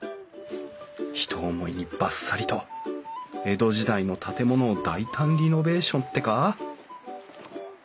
ひと思いにばっさりと江戸時代の建物を大胆リノベーションってか？